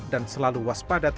dan selalu waspada